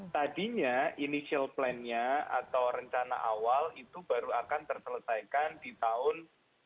tadinya inisial plannya atau rencana awal itu baru akan terselesaikan di tahun dua ribu tiga puluh dua